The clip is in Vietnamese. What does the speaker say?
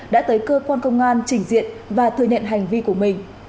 đã tới cơ quan công an trình diện và thừa nhận hành vi của mình